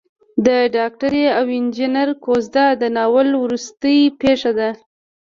د ډاکټرې او انجنیر کوژده د ناول وروستۍ پېښه ده.